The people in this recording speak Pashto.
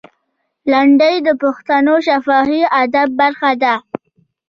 لنډۍ د پښتو شفاهي ادب برخه ده.